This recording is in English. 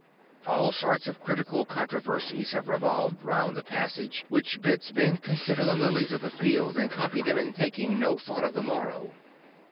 All sorts of critical controversies have revolved round the passage which bids men consider the lilies of the field and copy them in taking no though t for the morrow.